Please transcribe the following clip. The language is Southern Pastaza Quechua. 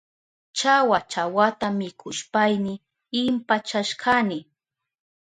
Chawa chawata mikushpayni impachashkani.